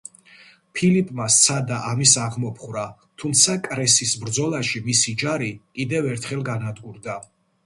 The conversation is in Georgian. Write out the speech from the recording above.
ფილიპმა სცადა ამის აღმოფხვრა, თუმცა კრესის ბრძოლაში მისი ჯარი კიდევ ერთხელ განადგურდა.